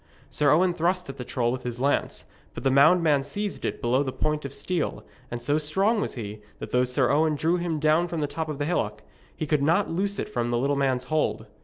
Sir Owen thrust at the troll with his lance; but the moundman seized it below the point of steel, and so strong was he, that though Sir Owen drew him down from the top of the hillock, he could not loose it from the little man's hold.